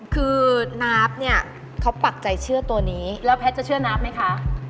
คือนาฟเนี่ยเขาปักใจเชื่อตัวนี้แล้วแพทย์จะเชื่อนับไหมคะ